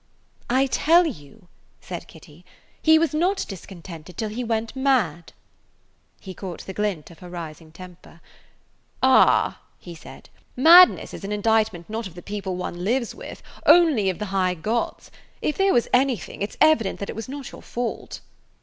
"I tell you," said Kitty, "he was not discontented till he went mad." He caught the glint of her rising temper. "Ah," he said, "madness is an indictment not of the people one lives with, only of the high gods. If there was anything, it 's evident that it was not your fault."